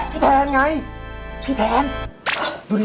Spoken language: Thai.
แทนไงพี่แทนดูดิ